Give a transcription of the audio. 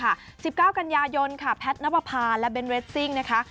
ใช่ค่ะ๑๙กัญญาโยนค่ะแพทย์ณประพาและเบนส์เรดซิ่งนะคะ